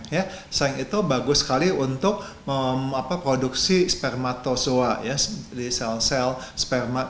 yang bagus sekali untuk produksi spermatozoa